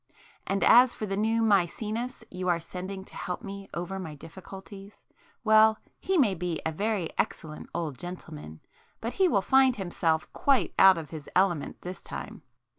And as for the new Mæcenas you are sending to help me over my difficulties,—well, he may be a very excellent old gentleman, but he will find himself quite out of his element this time.